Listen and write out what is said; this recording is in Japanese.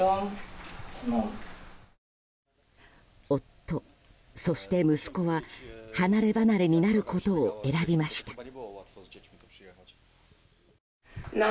夫、そして息子は離れ離れになることを選びました。